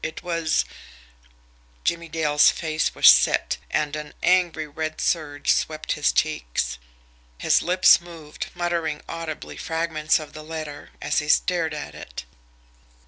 It was Jimmie Dale's face was set, and an angry red surge swept his cheeks. His lips moved, muttering audibly fragments of the letter, as he stared at it.